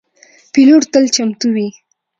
پیلوټ تل چمتو وي.